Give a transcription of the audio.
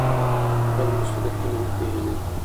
خپل مسؤلیتونه وپیژنئ.